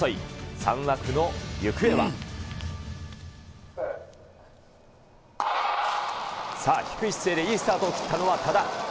３枠の行方は？さあ、低い姿勢でいいスタートを切ったのは多田。